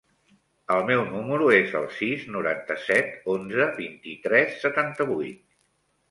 El meu número es el sis, noranta-set, onze, vint-i-tres, setanta-vuit.